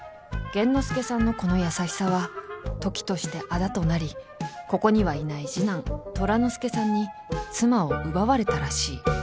玄之介さんのこの優しさは時としてあだとなりここにはいない次男寅之介さんに妻を奪われたらしい。